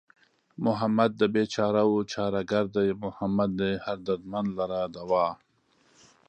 محمد د بېچارهوو چاره گر دئ محمد دئ هر دردمند لره دوا